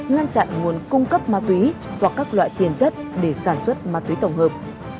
nguồn cung cấp ma túy hoặc các loại tiền chất để sản xuất ma túy tổng hợp